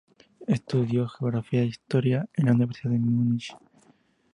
Estudió geografía e historia en la Universidad de Múnich.